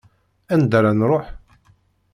Anda ara nruḥ?